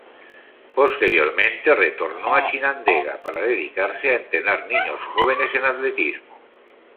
Posteriormente retornó a Chinandega para dedicarse a entrenar niños y jóvenes en Atletismo.